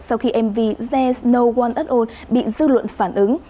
sau khi mv there s no one at all bị dư luận phản ứng